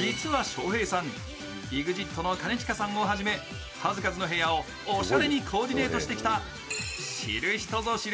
実はＳＨＯＨＥＩさんＥＸＩＴの兼近さんをはじめ数々の部屋をおしゃれにコーディネートしてきた、知る人ぞ知る